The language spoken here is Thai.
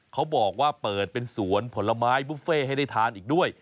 เขาบอกว่าเปิดเป็นสวนผลไม้บุฟเฟ่ให้ได้ทานอีกด้วย